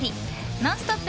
「ノンストップ！」